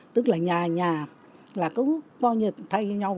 tức là nhà nhà là có co nhiệt thay nhau